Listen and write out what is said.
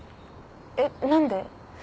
えっ何で？